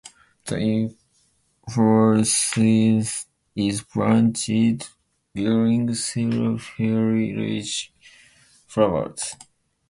The inflorescence is branched, bearing several fairly large flowers.